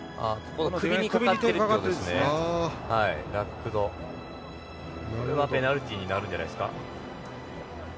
これはペナルティーになるんじゃないですか。